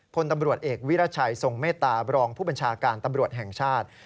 พลตำรวจเอกวิรัชัยทรงเมตตาบรองผู้บัญชาการตำรวจแห่งชาติ